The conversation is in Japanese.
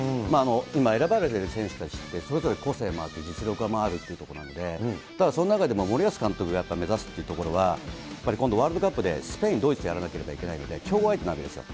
今、選ばれてる選手たちって、それぞれ個性もあって、実力もあるということなので、ただその中でも森保監督がやっぱり目指すっていうところは、やっぱり今度、ワールドカップでスペイン、ドイツとやらなきゃいけないので、強豪相手なわけですよ。